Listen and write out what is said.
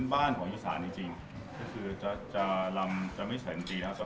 ปกติคือพ่อไม่ชมแต่ออกสื่อว่าชม